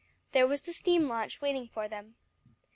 There was the steam launch waiting for them.